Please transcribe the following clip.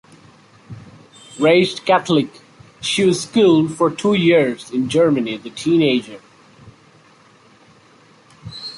Raised Catholic, she was schooled for two years in Germany as a teenager.